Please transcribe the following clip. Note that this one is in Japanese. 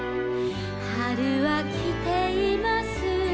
「はるはきています」